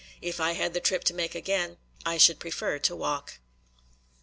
If I had the trip to make again, I should prefer to walk.